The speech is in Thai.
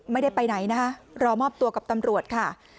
ไม่ได้ไปไหนนะคะรอมอบตัวกับตำรวจค่ะ